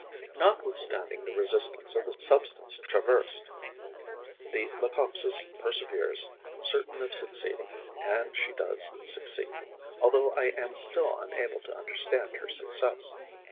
Notwithstanding the resistance of the substance traversed, the Leucopsis perseveres, certain of succeeding; and she does succeed, although I am still unable to understand her success.